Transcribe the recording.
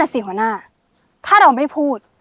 นั่นนะสิคุณธนาถ้าเราไม่พูด